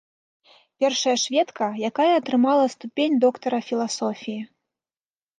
Першая шведка, якая атрымала ступень доктара філасофіі.